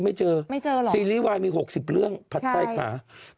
ไม่เจอไม่เจอหรอกซีรีส์วายมี๖๐เรื่องผัดใต้ขา